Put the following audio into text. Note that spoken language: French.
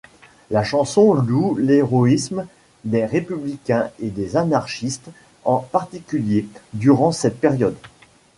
La chanson loue l'héroïsme des républicains et des anarchistes en particulier, durant cette période.